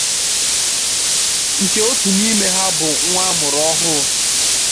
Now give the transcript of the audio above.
nke otu n'ime ha bụ nwa a mụrụ ọhụụ